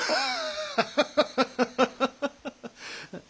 ハハハハハ！